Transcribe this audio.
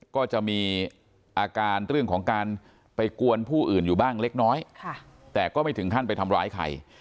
ก็จะมีอาการเรื่องของการไปกวนผู้อื่นอยู่บ้างเล็กน้อยแต่ก็ไม่ถึงขั้นไปทำร้ายใคร